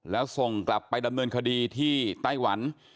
แล้วส่งกลับไปดำเนินคดีที่ไต้หวัน